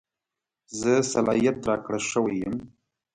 زه صلاحیت راکړه شوی یم.